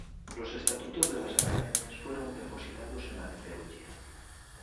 Los estatutos de la Academias fueron depositados en la de Perugia.